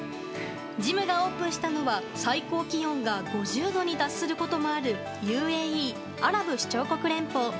ジムがオープンしたのは最高気温が５０度に達することもあるＵＡＥ・アラブ首長国連邦。